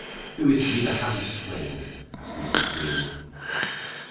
"Who is to be the happy swain?" asked Mrs. Green.